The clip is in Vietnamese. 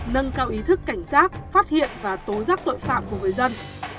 nâng cao ý thức cảnh sát phát hiện và tối giác tội phạm của người dân